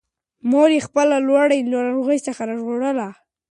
مور یې خپله لور له ناروغۍ څخه ژغورله.